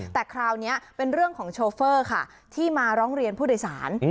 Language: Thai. แต่คราวนี้เป็นเรื่องของโชเฟอร์ค่ะที่มาร้องเรียนผู้โดยสาร